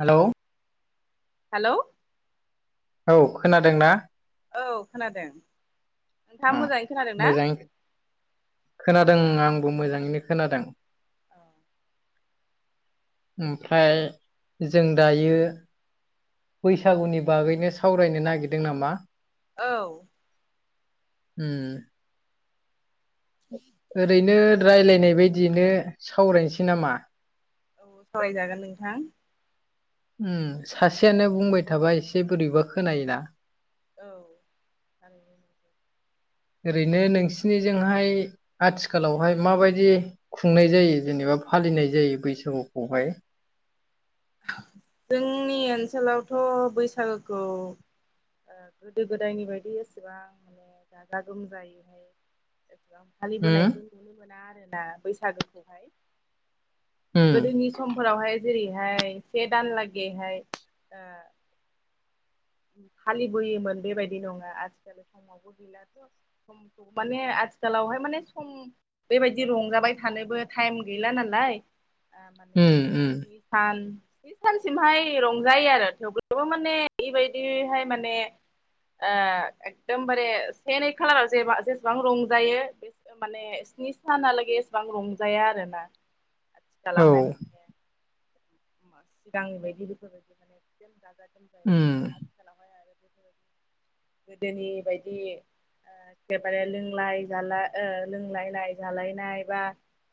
Hello hello औ खोनादोंना? औ खोनादों नोंथाङा मोजाङै खोनादों ना? मोजाङै खोनादों आंबो मोजाङैनो खोनादों। ओमफ्राय जों दायो बैसागुनि बागैनो सावरायनो नागिरदों नामा? औ उम्म। ओरैनो राय्लायनाय बायदियैनो सावरायनोसै नामा? औ सावरायजागोन नोंथां। उम्म सासेयानो बुंबाय थाबा एसे बोरैबा खोनायोना। औ थारैनो। ओरैनो नोंसिनिजोंहाय आथिखालावहाय माबायदि खुंनाय जायो जेनेबा फालिनाय जायो बैसागुखौहाय जोंनि ओनसोलावथ' बैसागोखौ ओ गोदो गोदायनि बायदि एसेबां माने गाजा गोमजायैहाय एसेबां उम फालिबोनायखौ नुनो मोना आरोना बैसागोखौहाय उम गोदोनि समफोरावहाय जेरैहाय से दानलागैहाय ओ फालिबोयोमोन बेबायदि नङा आजिखालि समावबो गैलाथ' सम माने आथिखालावहाय माने सम बेबायदि रंजाबाय थानोबो टाइम गैला नालाय। माने उम्म उम्म। सान स्नि सानसिमहाय रंजायो आरो थेवब्लाबो माने बे बाय बेहाय माने ओ एकदमबारे से नै खालाराव जेबा जेसेबां रंजायो बे ओ माने स्नि सानालागै एसेबां रंजाया आरो ना। औ आथिखालाहाय माने सिगांनि बायदि बेफोरबायदि माने [unintelligible] गाजा गोमजा उम्म। हाया आरो बेफोर गोदोनि बायदि एखेबारे लोंलाय जालाय ओ लोंलायनाय जालायनाय बा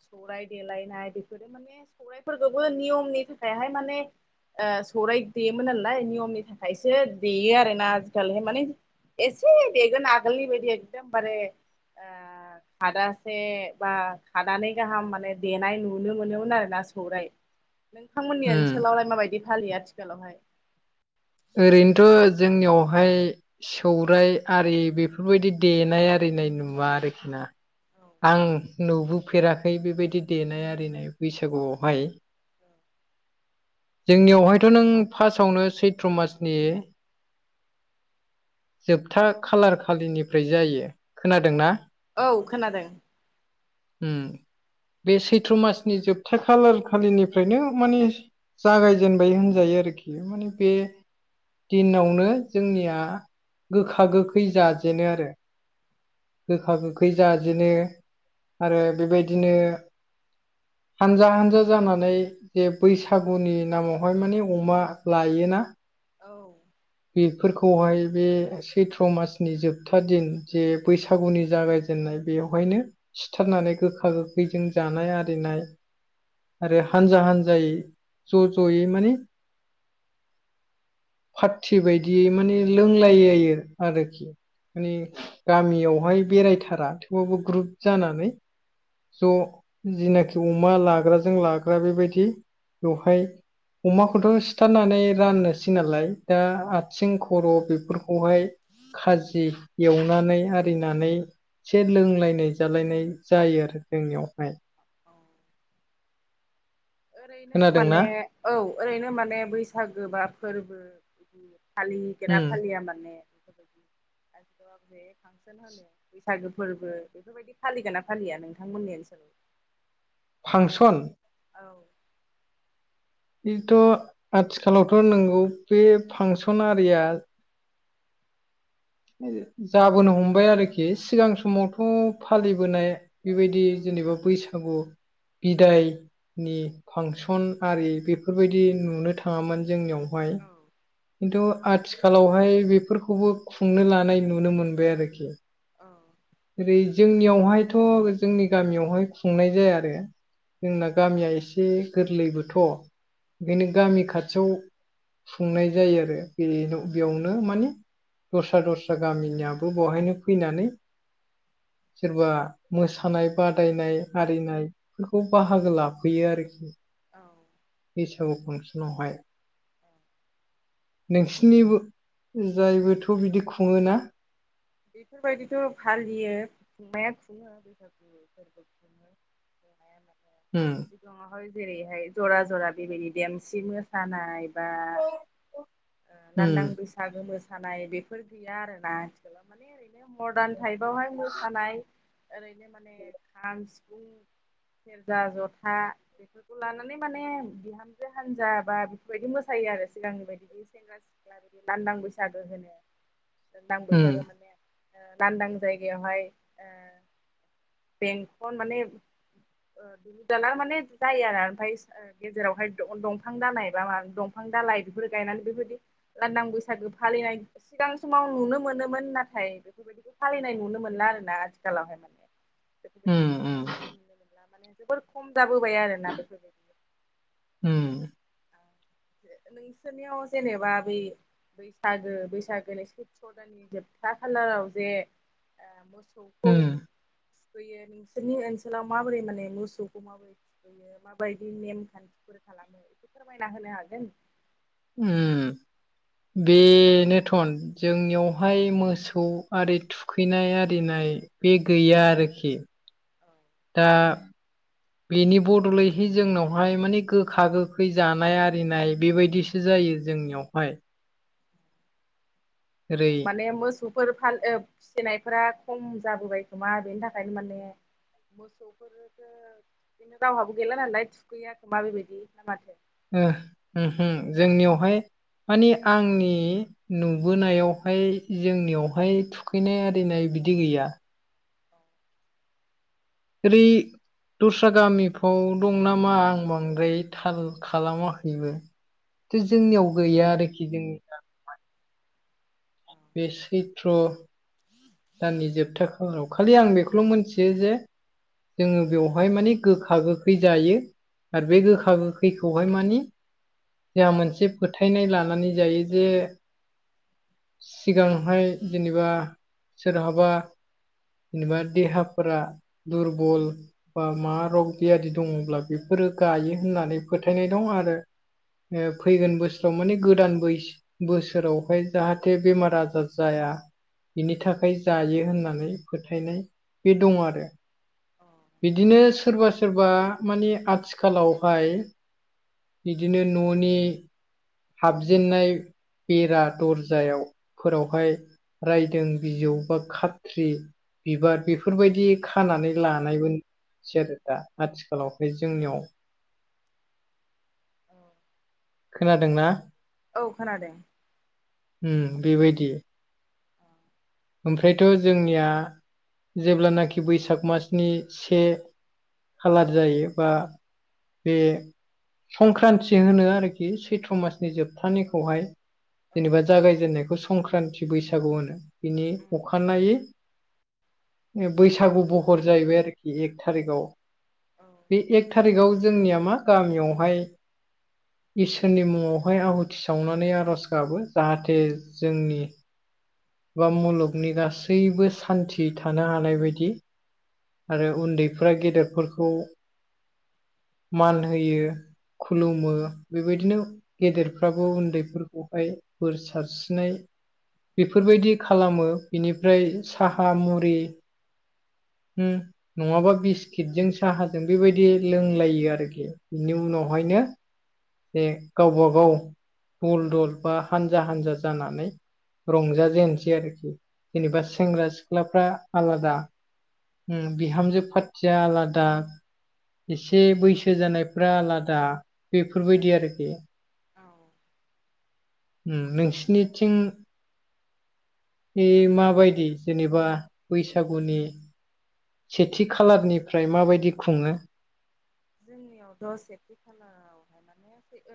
सौराय देलायनाय बेफोरो माने सौरायफोरखौबो नियमनि थाखायहाय माने ओ सौराय देयोमोन नालाय नियमनि थाखाय खायसे देयो आरो ना आजिखालिहाय माने एसे देगोन आगोलनि बायदि एकदमबारे ओ खादासे बा खादानानै गाहाम माने देनाय नुनो मोनोमोन आरोना सौराय। नोंथांमोननि उम ओनसोलावलाय माबायदि फालियो आथिखालावहाय? ओरैनोथ' जोंनियावहाय सौराय आरि बेफोरबायदि देनाय आरिनाय नुवा आरोखि ना। आं नुबोफेराखै बेबायदि देनाय आरिनाय बैसागुवावहाय। जोंनियावहायथ' नों फार्स्टआवनो सै थ्र मासनि जोबथा खालार खालिनिफ्राय जायो। खोनादोंना? औ खोनादों। उम्म। बे सैथ्र' मासनि जोबथा खालार खालिनिफ्रायनो माने जागायजेनबाय होनजायो आरोखि माने बे दिनावनो जोंनिया गोखा गोखै जाजेनो आरो। गोखा गोखै जाजेनो आरो बेबायदिनो हानजा हानजा जानानै जे बैसागुनि नामावहाय माने अमा लायोना औ। बेफोरखौहाय बे सैथ्र' मासनि जोबथा दिन जे बैसागुनि जागाय दोननाय बेवहायनो सिथारनानै गोखा गोखैजों जानाय आरिनाय आरो हानजा हानजायै ज' ज'यै माने थिबायदियै माने लोंलायलायो आरोखि। माने गामियावहाय बेरायथारा थेवबाबो ग्रुप जानानै ज' जिनाखि अमा लाग्राजों लाग्रा बेबायदि बेवहाय अमाखौथ' सिथारनानै राननोसै नालाय। दा औ आथिं खर' बेफोरखौहाय खाजि एवनानै आरिनानै एसे लोंलायनाय जालायनाय जायो आरो जोंनियावहाय। औ ओरैनो खोनादोंना माने औ ओरैनो माने बैसागो बा फोरबो बिदि फालिगोना उम फालिया माने [inaudible] [inaudible] बैसागो फोरबो बेफोरबायदि फालिगोन ना फालिया नोंथांमोननि ओनसोलाव? फांसन औ बेथ' आथिखालावथ' नोंगौ बे फांसन आरिया जाबोनो हमबाय आरोखि सिगां समावथ' फालिबोनाय बेबायदि जेनेबा बैसागु बिदाय नि फांसन आरि बेफोरबायदि नुनो थाङामोन जोंनियावहाय। खिन्थु आथिखालावहाय बेफोरखौबो खुंनो लानाय नुनो मोनबाय आरोखि। औ ओरै जोंनियावहायथ' जोंनि गामियावहाय खुंनाय जाया आरो‌। जोंना गामिया एसे गोरलैबोथ'। बेनो गामि खाथियाव खुंनाय जायो आरो औ बेल'-बेयावनो माने दस्रा दस्रा गामिनियाबो बहायनो फैनानै सोरबा मोसानाय बादायनाय आरिनायफोरखौ बाहागो लाफैयो आरोखि। औ बैसागु फांसनावहाय। नोंसिनिबो-जायबोथ' बिदि खुङोना? बेफोरबायदिथ' फालियो खुंनाया खुङो बैसागुफोर उम दङहाय जेरैहाय जरा जरा बेबायदि देमसि मोसानाय बा ओ उम लांदां बैसागो मोसानाय बेफोर गैया आरोना। [inaudible] माने ओरैनो मदार्न टाइपावहाय मोसानाय ओरैनो माने खाम सिफुं सेरजा जथा बेफोरखौ लानानै माने बिहामजो हानजा बा बेफोरबायदि मोसायो आरो सिगांनि बायदि बे सेंग्रा सिख्ला बिदि लान्दां बैसागो होनो लान्दां उम बैसागो माने ओ लांदां जायगायावहाय ओ बेंकन माने ऐ [inaudible] माने जायो आरो ओमफ्राय गेजेरावहाय दंफां दालाइ बा मा दंफां दालाइ बेफोरो गायनानै बेबायदि लांदां बैसागो फालिनाय सिगां समाव नुनो मोनो मोन नाथाय बेफोरबायदिखौ फालिनाय नुनो मोनला आरो ना आथिखालावहाय [inaudible] बेफोरबायदि उम उम मोसानायखौ नुनो मोनला माने जोबोर खम जाबोबाय आरोना बेफोरबाय उम नोंसोरनियाव जेनेबा बै बैसागो बैसागोनि सैत्र' दाननि जोबथा खालाराव जे ओ मोसौ मोसौखौ उम फैयो नोंसोरनि ओनसोलाव माबोरै माने मोसौखौ माबोरै बियो माबायदि नेमखान्थिफोर खालामो एसे फोरमायना होनो हागोन? उम बेनोथन जोंनियावहाय मोसौ आरि थुखैनाय आरिनाय बे गैया आरोखि। दा बेनि बदलैहाय जोंनावहाय माने गोखा गोखै जानाय आरिनाय बेबायदि जायो जोंनियावहाय ओरै [unintelligible] फोर [unintelligible] फिसिनायफोरा खम जाबोबाय खोमा बेनि थाखायनो माने मोसौफोर [unintelligible] रावहाबो गैला नालाय थुगैयाखोमा बेबायदि ना माथो [unintelligible] जोंनियावहाय मानि आंनि नुबोनायावहाय जोंनियावहाय थुखैनाय आरिनाय बिदि गैया। [unintelligible] दस्रा गामिफ्राव दं नामा आं बांद्राय थाल खालामाखैबो। [unintelligible] जोंनियाव गैया आरोखि जोंनि [unintelligible] बे सैथ्र' दाननि जोबथा खालाराव खालि आं बेखौल' मोनथियो जे जोङो बेवहाय माने गोखा गोखै जायो आरो बे गोखा गोखैखौहाय मानि जोंहा मोनसे फोथायनाय लानानै जायो जे सिगांहाय जेनेबा सोरहाबा जेनेबा देहाफोरा दुरबल बा मा रग बियादि दङ'ब्ला बेफोरो गायो होननानै फोथायनाय दं आरो। फैगोन बोसोराव माने गोदान बैस बोसोरावहाय जाहाथे बेमार आजार जाया। बिनि थाखाय जायो होननानै फोथायनाय बे दं आरो। बिदिनो सोरबा सोरबा मानि आथिखालावहाय बिदिनो न'नि हाबजेननाय बेरा दरजायाव फोरावहाय रायदों बिजौ बा खात्रि बिबार बेफोरबायदि खानानै लानायमोन। सेरोथा आथिखालावहाय जोंनियाव औ। खोनादोंना? औ खोनादों। उम बेबायदि। औ ओमफ्रायथ' जोंनिया जेब्लानाखि बैसाग मासनि से खाालार जायो बा बे संक्रान्ति होनो आरोखि सैथ्र' मासनि जोबथानायखौहाय। औ जेनेबा जागायजेननायखौ संक्रान्ति बैसागु होनो बिनि अखानायै बैसागु बहर जाहैबाय आरोखि एक थारिगाव। औ बे एक थारिखाव जोंनिया मा गामियावहाय इसोरनि मुङावहाय आहुथि सावनानै आर'ज गाबो जाहाथे जोंनि बा मुलुगनि गासैबो सान्थि थानो हानाय बायदि। आरो उन्दैफोरा गेदेरफोरखौ मान होयो। खुलुमो बेबायदिनो गेदेरफ्राबो उन्दैफोरखौहाय बोर सारस्रिनाय बेफोरबायदि खालामो बेनिफ्राय साहा मुरि [unintelligible] नङाबा बिस्किटजों साहाजों बेबायदि लोंलायो आरोखि। बिनि उनावहायनो औ जे गावबा गाव दल दल बा हानजा हानजा जानानै रंज जेननोसै आरोखि जेनेबा सेंग्रा सिख्लाफ्रा आलादा। बिहामजो फारथिया आलादा। एसे बैसो जानायफ्रा आलादा। बेफोरबायदि आरोखि। औ। उम नोंसिनिथिं बे माबायदि जेनेबा बैसागुनि सेथि खालारनिफ्राय माबायदि खुङो? जोंनियाव दस सेथि खालारावहाय माने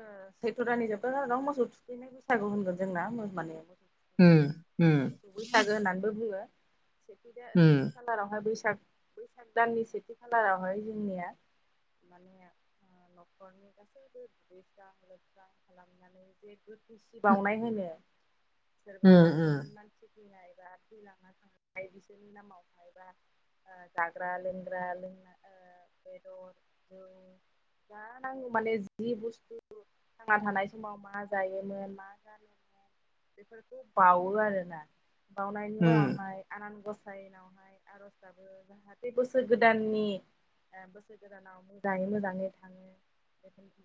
ओ सैथ्र' दाननि जोबथा सानाव मोसौ थुखैनाय बैसागु होनगोन जोंना मो माने उम थुखैनाय उम मोसौ बैसागो होननानैबो बुङो। बिदिनो उम सेथि खा खालारावहाय बैसाग बैसाग दाननि सेथि खालारावहाय जोंनिया माने नखरनि गासैबो दुदैस्रा लोबस्रां खालामनानै जे बो खुसि बावनाय होनो सोरबा उम उम नखरनि मानसि थैनायबा थैलांना थांबाय बिसोरनि नामाव मायबा जाग्रा लोंग्रा लोंना ओ बेदर जौ [inaudible] जा नांगौ माने जि बुस्थु थांना थानाय समाव मा जायोमोन मा जानोमोन बेफोरखौ बावो आरोना बावनायनि उम उनावहाय आनान गसाइनावहाय आरज जाहाथे बोसोर गोदाननि बोसोर गोदानाव मोजाङै मोजाङै थाङो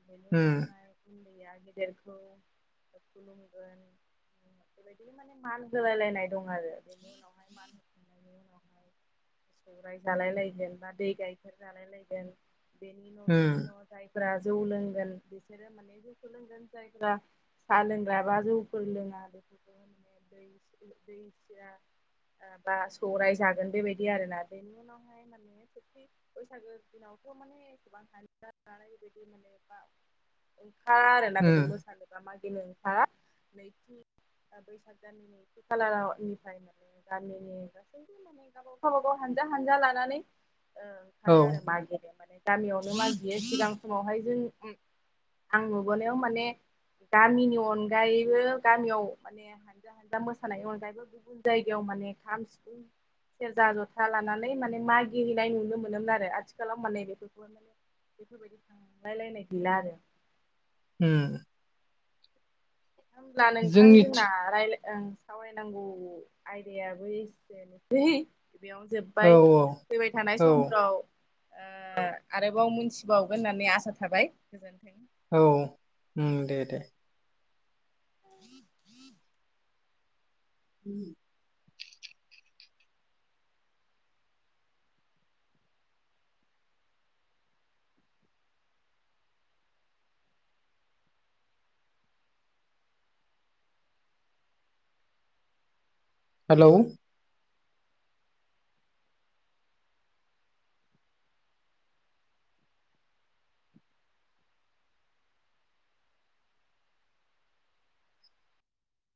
बेनि उम उनावहाय उन्दैया गेदेरखौ खुलुमगोन बेबायदि माने मान होलायलायनाय दं आरो बेनि उनावहाय मा [inaudible] उनावहाय सौराइ जालाय लायगोन बा दै गायखेर जालाय लायगोन [inaudible] बेनि न' बेनि उम न' जायफोरा जौ लोंगोन बिसोरो माने लोंगोन जायफ्रा सा लोंग्रा बा जौफोर लोङा बेफोरखौ दै [inaudible] दै सिरा ओ बा सौराइ जागोन बेबायदि आरोना बेनि उनावहाय माने [inaudible] बैसागो दिनावथ' माने एसेबां हजानाय बेबायदि माने ओंखार आरोना बिदि उम मोसानो [inaudible] [unintelligible] दा बैसाग दाननि नैथि खालारनिफ्राय मानेगामिनि गासैबो माने गावबा गाव गावबा गाव हानजा हानजा लानानै ओ औ ओंखारो आरो मागे माने गामियावनो मागियो सिगां समावहाय जों आं नुबोनायाव माने गामिनि अनगायैबो गामियाव माने हानजा हानजा मोसानायनि अनगायैबो गुबुन जायगायाव माने खाम, सिफुं सेर्जा जथा लानानै माने मा गेलेनाय नुनो मोनोमोन आरो आथिखालाव माने फोरखौ [unintelligible] माने बेफोरबायदि थांलायलायनाय गैला आरो। उम होमब्ला नोंथां जोंना जोंनिथि रालाय ओ सावरायनांगौ आयदायाबो एसेनोसै बेयावनो औ जोब्बाय औ फैबाय थानाय औ समफ्राव ओ आरोबाव मोनथिबावगोन होननानै आसा थाबाय गोजोन्थों। औ उम दे दे। [inaudible] उम हेलौ